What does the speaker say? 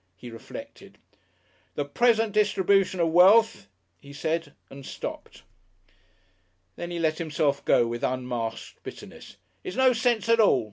He reflected. "The Present distribution of Wealth," he said and stopped. Then he let himself go, with unmasked bitterness. "It's no sense at all.